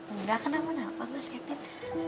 enggak kenapa napa mas kevin